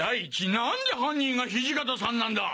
なんで犯人が土方さんなんだ？